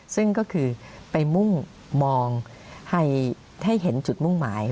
ซึ่งก็คือไปมุ่งมองให้เห็นจุดมุ่งหมาย